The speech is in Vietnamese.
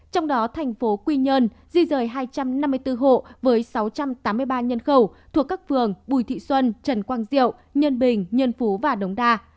trong đó thành phố quy nhơn di rời hai trăm năm mươi bốn hộ với sáu trăm tám mươi ba nhân khẩu thuộc các phường bùi thị xuân trần quang diệu nhân bình nhân phú và đống đa